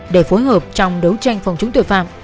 để phối hợp trong đấu tranh phòng chống tội phạm